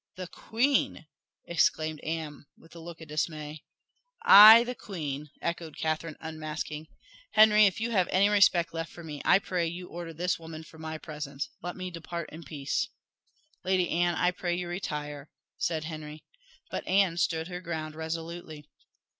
"The queen!" exclaimed Anne, with a look of dismay. "Ay, the queen!" echoed Catherine, unmasking. "Henry, if you have any respect left for me, I pray you order this woman from my presence. Lot me depart in peace." "Lady Anne, I pray you retire," said Henry. But Anne stood her ground resolutely.